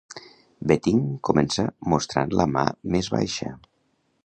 Betting comença mostrant la ma més baixa.